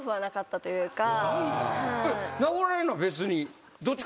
殴られるのは別に？